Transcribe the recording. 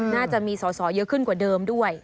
น่าจะมีสอสอเยอะขึ้นกว่าเดิมด้วย